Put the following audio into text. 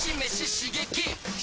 刺激！